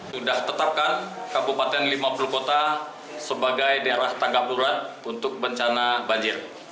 sudah tetapkan kabupaten lima puluh kota sebagai daerah tanggap darurat untuk bencana banjir